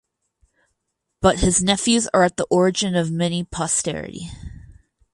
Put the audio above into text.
But his nephews are at the origin of many posterity.